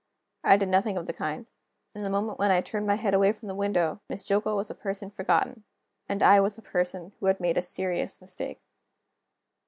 I did nothing of the kind. In the moment when I turned my head away from the window, Miss Jillgall was a person forgotten and I was a person who had made a serious mistake.